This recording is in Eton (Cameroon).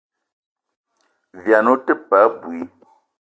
Vian ou te paa abui.